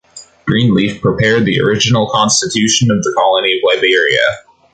Greenleaf prepared the original constitution of the Colony of Liberia.